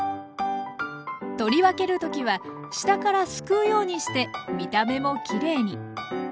取り分ける時は下からすくうようにして見た目もきれいに。